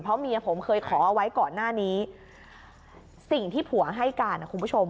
เพราะเมียผมเคยขอเอาไว้ก่อนหน้านี้สิ่งที่ผัวให้การนะคุณผู้ชม